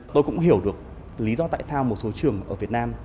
tôi cũng hiểu được lý do tại sao một số trường ở việt nam